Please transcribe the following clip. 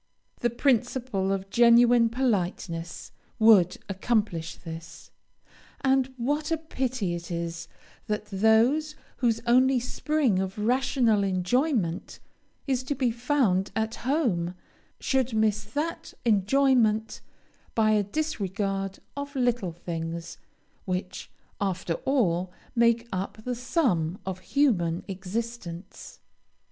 The principle of genuine politeness would accomplish this; and what a pity it is that those whose only spring of rational enjoyment is to be found at home, should miss that enjoyment by a disregard of little things, which, after all, make up the sum of human existence!